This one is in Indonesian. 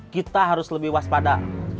kita harus lebih waspada